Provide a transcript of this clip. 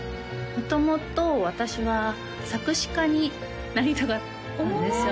元々私は作詞家になりたかったんですよ